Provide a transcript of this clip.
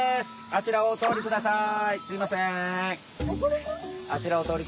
あちらをおとおりください！